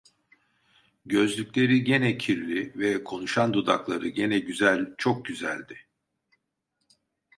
Gözlükleri gene kirli ve konuşan dudakları gene güzel, çok güzeldi.